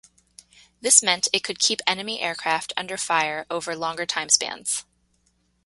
This meant it could keep enemy aircraft under fire over longer time spans.